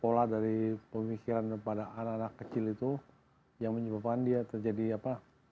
pola dari pemikiran kepada anak anak kecil itu yang menyebabkan dia terjadi apa